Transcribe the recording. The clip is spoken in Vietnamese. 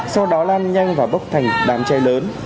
sau đó lan nhanh và bốc thành đám cháy lớn